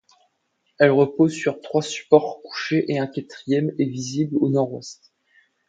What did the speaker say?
Elle repose sur trois supports couchés et un quatrième est visible au nord-ouest.